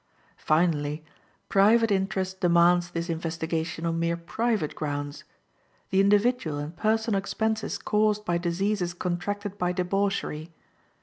Finally, private interest demands this investigation on mere private grounds the individual and personal expenses caused by diseases contracted by debauchery.